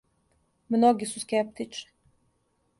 Многи су скептични.